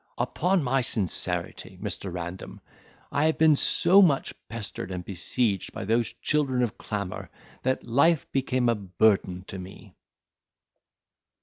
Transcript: Upon my sincerity, Mr. Random, I have been so much pestered and besieged by those children of clamour, that life became a burden to me."